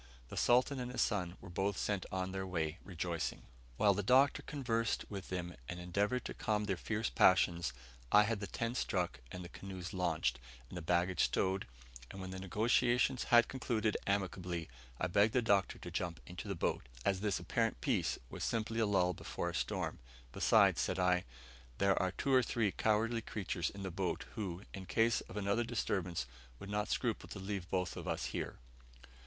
The Sultan and his son were both sent on their way rejoicing. While the Doctor conversed with them, and endeavoured to calm their fierce passions, I had the tent struck, and the canoes launched, and the baggage stowed, and when the negotiations had concluded amicably, I begged the Doctor to jump into the boat, as this apparent peace was simply a lull before a storm; besides, said I, there are two or three cowardly creatures in the boat, who, in case of another disturbance, would not scruple to leave both of us here.